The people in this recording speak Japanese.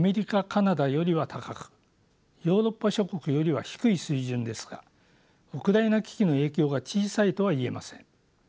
カナダよりは高くヨーロッパ諸国よりは低い水準ですがウクライナ危機の影響が小さいとは言えません。